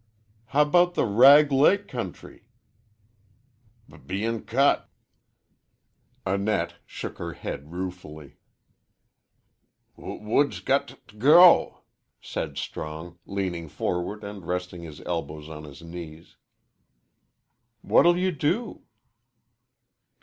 "How about the Rag Lake country?" "B bein' cut." Annette shook her head ruefully. "W woods got t' g go," said Strong, leaning forward and resting his elbows on his knees. . "What'll you do?"